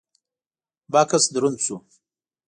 بکس دروند شو: